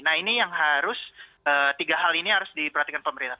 nah ini yang harus tiga hal ini harus diperhatikan pemerintah